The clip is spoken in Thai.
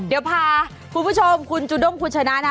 เดี๋ยวพาคุณผู้ชมคุณจูด้งคุณชนะนะ